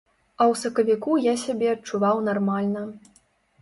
А ў сакавіку я сябе адчуваў нармальна.